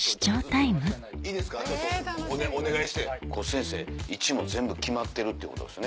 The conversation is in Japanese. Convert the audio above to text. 先生位置も全部決まってるっていうことですね？